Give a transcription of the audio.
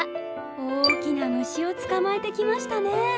大きな虫を捕まえてきましたね。